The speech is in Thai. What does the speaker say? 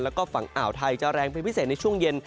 แล้วก็ฝั่งอ่าวไทยจะแรงเป็นพิเศษในช่วงเย็น